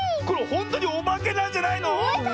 ほんとにおばけなんじゃないの⁉